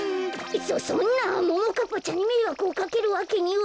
そそんなももかっぱちゃんにめいわくをかけるわけには。